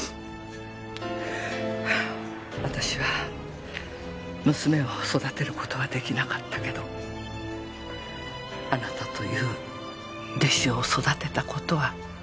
私は娘を育てる事は出来なかったけどあなたという弟子を育てた事は私の誇りよ。